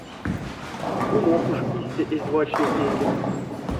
Умок уш истя эзь вачне пекем.